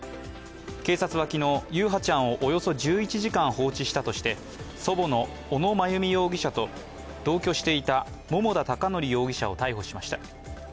警察は昨日、優陽ちゃんをおよそ１１時間放置したとして祖母の小野真由美容疑者と同居していた桃田貴徳容疑者を逮捕しました。